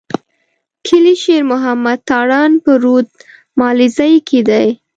کلي شېر محمد تارڼ په رود ملازۍ کي دی.